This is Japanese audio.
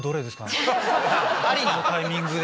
このタイミングで？